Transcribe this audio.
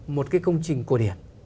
một cái công trình cổ điển